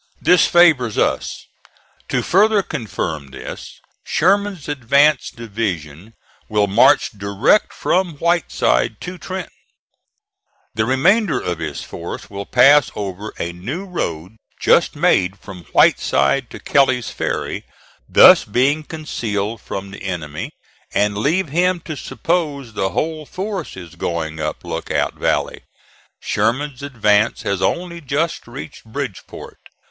This favors us. To further confirm this, Sherman's advance division will march direct from Whiteside to Trenton. The remainder of his force will pass over a new road just made from Whiteside to Kelly's Ferry, thus being concealed from the enemy, and leave him to suppose the whole force is going up Lookout Valley. Sherman's advance has only just reached Bridgeport.